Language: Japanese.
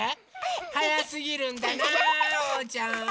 はやすぎるんだなおうちゃん！